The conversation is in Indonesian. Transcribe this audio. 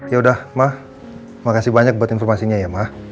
yaudah mah makasih banyak buat informasinya ya mah